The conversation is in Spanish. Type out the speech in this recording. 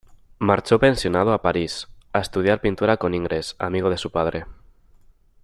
Marchó pensionado a París a estudiar pintura con Ingres, amigo de su padre.